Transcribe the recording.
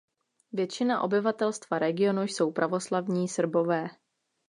Většina obyvatelstva regionu jsou pravoslavní Srbové.